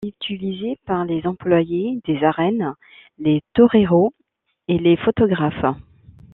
Elle est utilisée par les employés des arènes, les toreros et les photographes.